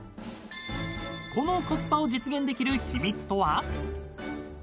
［このコスパを実現できる秘密とは？］